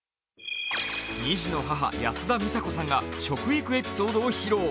２児の母、安田美沙子さんが食育エピソードを披露。